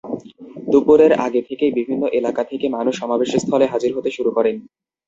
দুপুরের আগে থেকেই বিভিন্ন এলাকা থেকে মানুষ সমাবেশস্থলে হাজির হতে শুরু করেন।